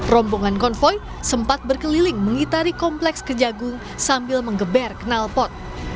rombongan konvoy sempat berkeliling mengitari kompleks kejagung sambil mengeber kenalpot